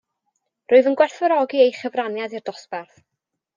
Rwyf yn gwerthfawrogi ei chyfraniad i'r dosbarth.